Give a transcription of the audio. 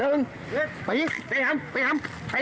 อย่าคุณด้านหน้าร้าน๑